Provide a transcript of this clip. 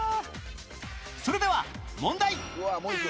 それでは問題